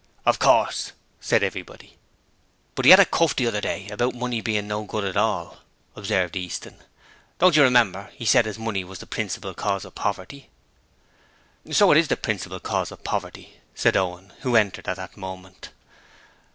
'Of course,' said everybody. 'But 'e 'ad a cuff the other day about money bein' no good at all!' observed Easton. 'Don't you remember 'e said as money was the principal cause of poverty?' 'So it is the principal cause of poverty,' said Owen, who entered at that moment.